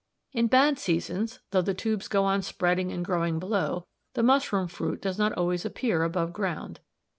"In bad seasons, though the tubes go on spreading and growing below, the mushroom fruit does not always appear above ground.